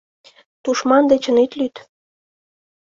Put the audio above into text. Тушман дечын ит лӱд